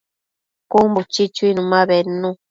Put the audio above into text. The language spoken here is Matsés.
Cun buchi chuinu ma bednu